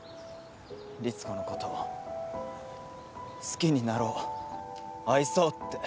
リツコのことを好きになろう愛そうって。